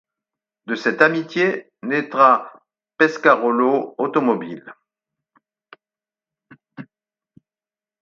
De cette amitié naîtra Pescarolo Automobiles.